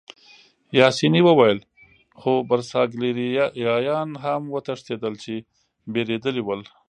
پاسیني وویل: خو برساګلیریایان هم وتښتېدل، چې بېرېدلي ول.